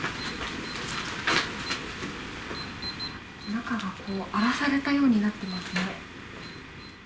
中が荒らされたようになってますね。